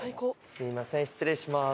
すみません失礼します。